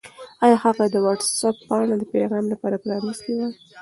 آیا هغه د وټس-اپ پاڼه د پیغام لپاره پرانستې وه؟